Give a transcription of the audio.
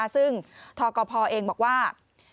ซึ่งทกพเองบอกว่า